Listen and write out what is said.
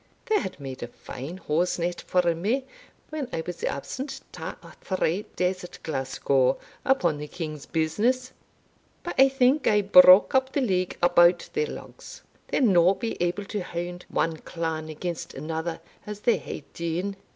They had made a fine hosenet for me when I was absent twa or three days at Glasgow, upon the king's business But I think I broke up the league about their lugs they'll no be able to hound one clan against another as they hae dune.